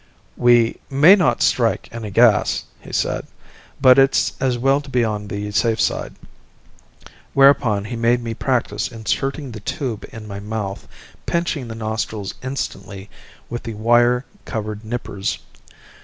"We may not strike any gas," he said, "but it's as well to be on the safe side," whereupon he made me practise inserting the tube in my mouth, pinching the nostrils instantly with the wire covered nippers.